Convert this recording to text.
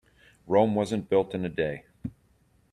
Rome wasn't built in a day.